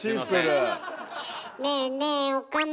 ねえねえ岡村。